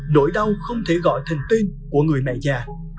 nỗi đau không thể gọi thành tin của người mẹ già